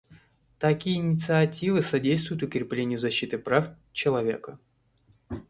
Такие инициативы содействуют укреплению защиты прав человека.